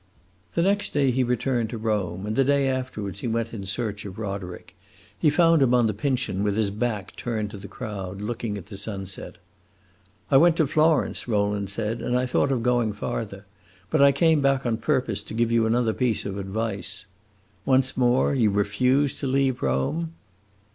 The next day he returned to Rome, and the day afterwards he went in search of Roderick. He found him on the Pincian with his back turned to the crowd, looking at the sunset. "I went to Florence," Rowland said, "and I thought of going farther; but I came back on purpose to give you another piece of advice. Once more, you refuse to leave Rome?"